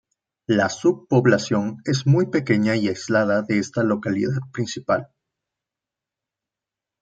La subpoblación es muy pequeña y aislada de esta localidad principal.